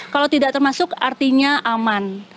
kalau tidak termasuk artinya aman